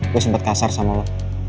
gue sempat kasar sama lo